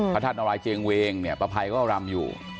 พระธรรมนราชเจนเวงปภัยก็รำอยู่